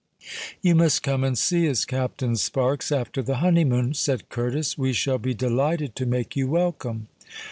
"You must come and see us, Captain Sparks, after the honeymoon," said Curtis. "We shall be delighted to make you welcome."